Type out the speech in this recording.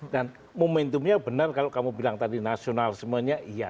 dan momentumnya benar kalau kamu bilang tadi nasionalismenya iya